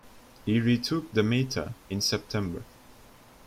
He retook Damietta in September.